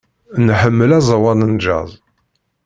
Nḥemmel aẓawan n jazz.